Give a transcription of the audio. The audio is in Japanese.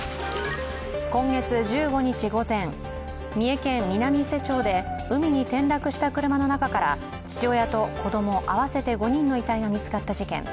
今月１５日午前、三重県南伊勢町で海に転落した車の中から父親と子供合わせて５人の遺体が見つかった事件。